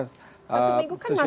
satu minggu kan sudah berjalan